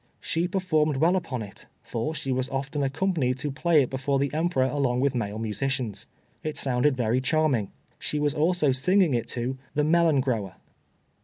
She performed well upon it, for she was often accustomed to play it before the Emperor along with male musicians. It sounded very charming. She was also singing to it the "Melon grower."